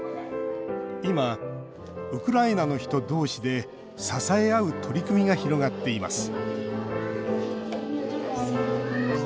今、ウクライナの人同士で支え合う取り組みが広がっています。